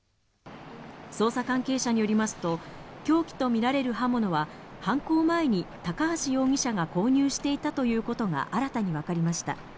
捜査関係者によりますと、凶器とみられる刃物は、犯行前に高橋容疑者が購入していたということが新たに分かりました。